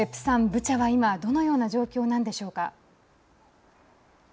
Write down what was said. ブチャは今どのような状況なんでしょうか。